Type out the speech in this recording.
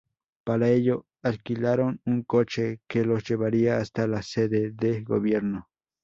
Para ello, alquilaron un coche que los llevaría hasta la Sede de Gobierno.